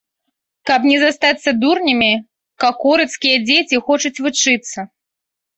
Каб не застацца дурнямі, какорыцкія дзеці хочуць вучыцца.